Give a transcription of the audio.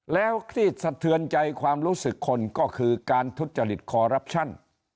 แล้วเครียดสะเทือนใจความรู้สึกคนก็คือการทุจริตคอรับชัน